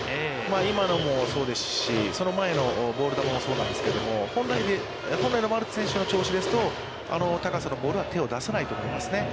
今のもそうですし、その前のボール球もそうなんですけれども、本来のマルテ選手の調子ですと、あの高さのボールは手を出さないと思いますよね。